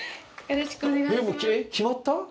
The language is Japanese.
よろしくお願いします